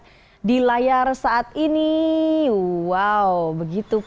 ketika posisi wagyu panggung dalam tijdinya misi ini lvertis harian sebanyak dua ratus triliun lintas